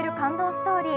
ストーリー